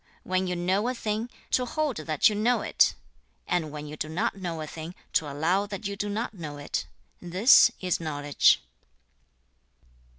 When you know a thing, to hold that you know it; and when you do not know a thing, to allow that you do not know it; this is knowledge.'